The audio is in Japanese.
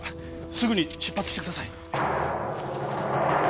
すぐに出発してください！